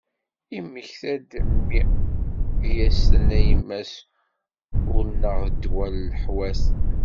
Yemmekta-d mi i as-tenna yemma-s ul-nneγ d ddwa i leḥwat.